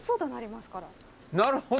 なるほど。